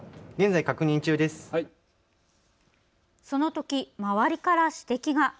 そのとき、周りから指摘が。